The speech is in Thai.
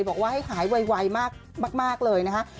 บอกว่าให้หายไวมากเลยนะคะ